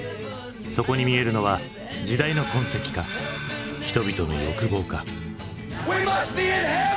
そこに見えるのは時代の痕跡か人々の欲望か。